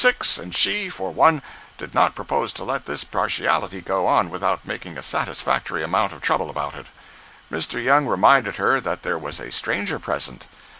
6, and she, for one, did not propose to let this partiality go on without making a satisfactory amount of trouble about it. Mr. Young reminded her that there was a stranger present.